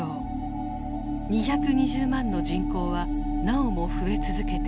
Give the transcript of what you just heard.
２２０万の人口はなおも増え続けていた。